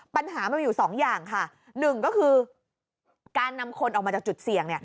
ปัญหามันมีอยู่สองอย่างค่ะหนึ่งก็คือการนำคนออกมาจากจุดเสี่ยง